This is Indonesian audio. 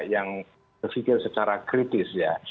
yang berpikir secara kritis ya